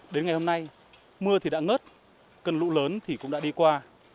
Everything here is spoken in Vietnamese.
đến ngày hôm nay mưa thì đã ngớt cơn lũ lớn thì cũng đã đi qua